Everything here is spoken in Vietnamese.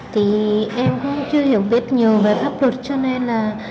thì em cũng chưa hiểu biết nhiều về pháp luật cho nên là